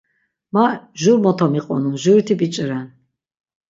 Ma jur mota miqonun, juriti biç̆i ren.